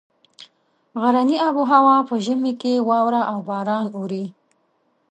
غرني آب هوا په ژمي کې واوره او باران اوري.